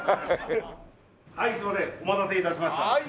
はいすいませんお待たせ致しました。